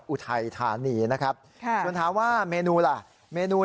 ไปจนถึงราคาหลักร้อย